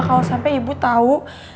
kalau sampai ibu tau